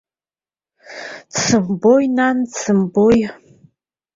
Дсымбои нан, дсымбои.